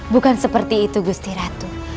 bukan seperti itu gusti ratu